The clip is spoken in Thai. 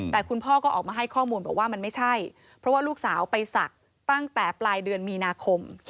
แต่คุณพ่อก็ออกมาให้ข้อมูลบอกว่ามันไม่ใช่เพราะว่าลูกสาวไปศักดิ์ตั้งแต่ปลายเดือนมีนาคม